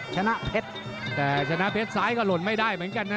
ชนะเพชรแต่ชนะเพชรซ้ายก็หล่นไม่ได้เหมือนกันนะ